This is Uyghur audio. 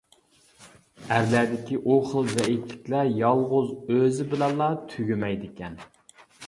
ئەرلەردىكى ئۇ خىل زەئىپلىكلەر يالغۇز ئۆزى بىلەنلا تۈگىمەيدىكەن.